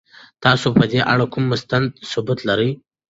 تاسو په دې اړه کوم مستند ثبوت لرئ؟